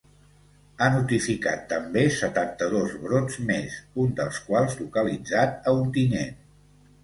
Ha notificat també setanta-dos brots més, un dels quals localitzat a Ontinyent.